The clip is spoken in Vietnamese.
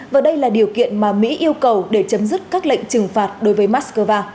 và đây là điều kiện mà mỹ yêu cầu để chấm dứt các lệnh trừng phạt đối với moscow